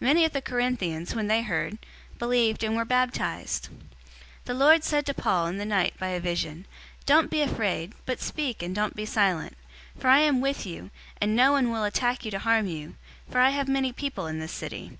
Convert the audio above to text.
Many of the Corinthians, when they heard, believed and were baptized. 018:009 The Lord said to Paul in the night by a vision, "Don't be afraid, but speak and don't be silent; 018:010 for I am with you, and no one will attack you to harm you, for I have many people in this city."